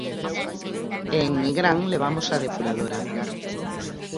E en Nigrán levamos a depuradora.